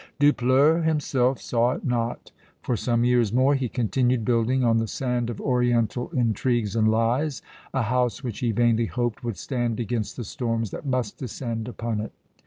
Dupleix himself saw it not; for some years more he continued building, on the sand of Oriental intrigues and lies, a house which he vainly hoped would stand against the storms that must descend upon it.